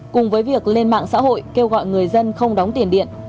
cùng với việc lên mạng xã hội kêu gọi người dân không đóng tiền điện